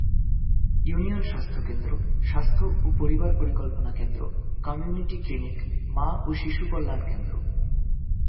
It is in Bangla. ইউনিয়ন স্বাস্থ্যকেন্দ্র, স্বাস্থ্য ও পরিবার পরিকল্পনা কেন্দ্র, কমিউনিটি ক্লিনিক, মা ও শিশু কল্যাণ কেন্দ্র,।